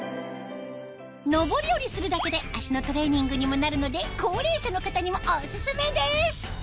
上り下りするだけで足のトレーニングにもなるので高齢者の方にもオススメです！